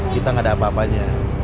kita nggak ada apa apanya